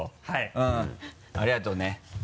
うんありがとうね。